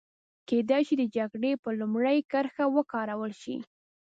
کېدای شي چې د جګړې په لومړۍ کرښه وکارول شي.